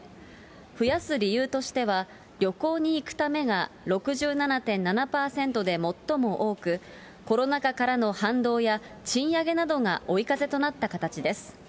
増やす理由としては、旅行に行くためが６７．７％で最も多く、コロナ禍からの反動や、賃上げなどが追い風となった形です。